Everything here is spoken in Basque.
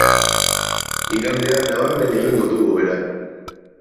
Igandean nabarmen egingo du hobera.